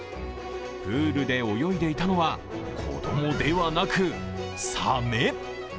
プールで泳いでいたのは子供ではなく、さめ。